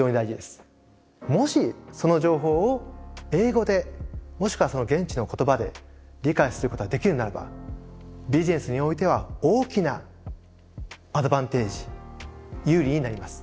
もしその情報を英語でもしくはその現地の言葉で理解することができるならばビジネスにおいては大きなアドバンテージ有利になります。